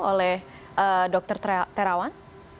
oleh dokter terawan